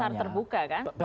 pasar terbuka kan